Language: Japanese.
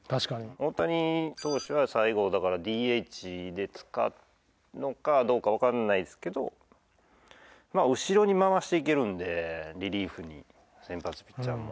大谷投手は最後だからＤＨで使うのかどうかわからないですけどまあ後ろに回していけるんでリリーフに先発ピッチャーも。